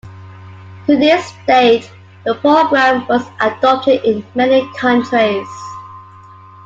To this date, the program was adopted in many countries.